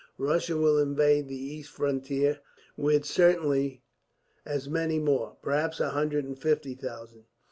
Russia will invade the east frontier with certainly as many more, perhaps a hundred and fifty thousand.